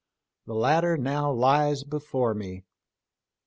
The latter now lies before me.